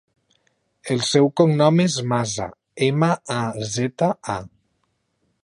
El seu cognom és Maza: ema, a, zeta, a.